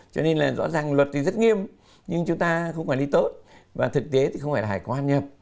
cho nên là rõ ràng luật thì rất nghiêm nhưng chúng ta không quản lý tốt và thực tế thì không phải là hải quan nhập